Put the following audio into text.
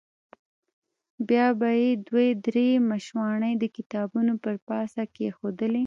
بیا به یې دوې درې مشواڼۍ د کتابونو پر پاسه کېښودلې.